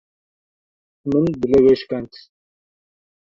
Min dilê wê şikand